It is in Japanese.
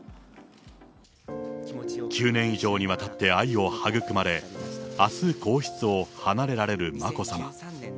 ９年以上にわたって愛を育まれ、あす、皇室を離れられる眞子さま。